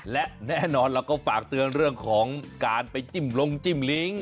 และแน่นอนเราก็ฝากเตือนเรื่องของการไปจิ้มลงจิ้มลิงค์